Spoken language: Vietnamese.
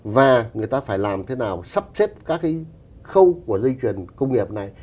và người ta phải làm thế nào sắp xếp các cái khâu của dây chuyển công nghiệp này